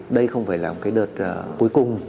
đây không phải là một đợt cuối cùng